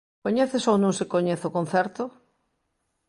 ¿Coñécese ou non se coñece o concerto?